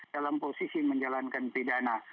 dalam posisi menjalankan pidana